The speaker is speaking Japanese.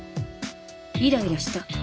イライラした。